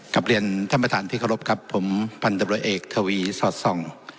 กลับเรียนท่านประธานที่เคารพครับผมพันธบริเอกทวีสอดส่อง